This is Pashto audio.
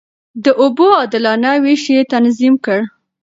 د اوبو عادلانه وېش يې تنظيم کړ.